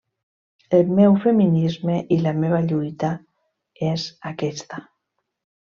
El meu feminisme i la meva lluita és aquesta.